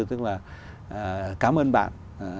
tức là cám ơn bạn